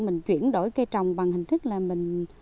mình chuyển đổi cây trồng bằng hình thức là mình